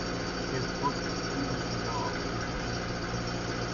He has worked with Steven Seagal three times.